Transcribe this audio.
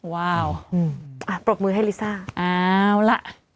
ว้าวอ่ะปรบมือให้ลิซ่าเอาล่ะ